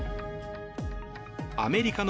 アメリカの